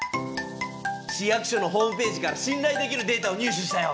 市役所のホームページから信頼できるデータを入手したよ！